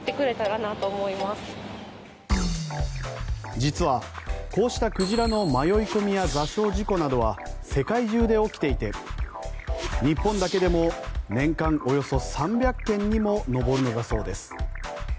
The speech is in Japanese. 実はこうした鯨の迷い込みや座礁事故などは世界中で起きていて日本だけでも年間およそ３００件にも上るのだそうです。